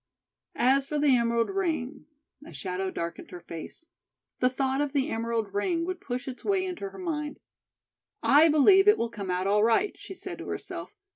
As for the emerald ring a shadow darkened her face. The thought of the emerald ring would push its way into her mind. "I believe it will come out all right," she said to herself.